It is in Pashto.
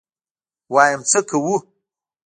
ويم څه کوو.